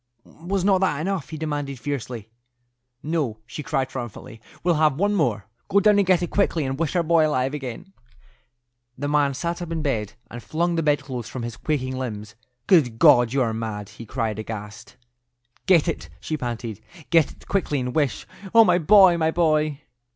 "Was not that enough?" he demanded, fiercely. "No," she cried, triumphantly; "we'll have one more. Go down and get it quickly, and wish our boy alive again." The man sat up in bed and flung the bedclothes from his quaking limbs. "Good God, you are mad!" he cried, aghast. "Get it," she panted; "get it quickly, and wish—Oh, my boy, my boy!"